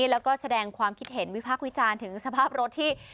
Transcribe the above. แล้วก็แสดงความคิดเห็นวิพากษ์วิจารณ์ถึงสภาพรถที่